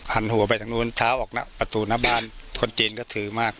หันหัวไปทางนู้นเช้าออกหน้าประตูหน้าบ้านคนจีนก็ถือมาก